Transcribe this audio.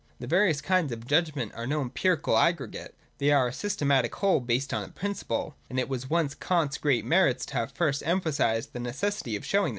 The various kinds of judgment are no empirical aggre gate. They are a systematic whole based on a principle ; and it was one of Kant's great merits to have first empha sised the necessity of showing this.